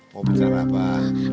mau bicara pak